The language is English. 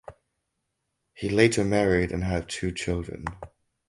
He later married and had two children.